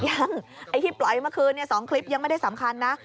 ยังไอ้ที่ปล่อยเมื่อคืน๒คลิปยังไม่ได้สำคัญนะ